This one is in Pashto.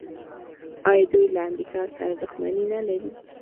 آیا دوی له امریکا سره دښمني نلري؟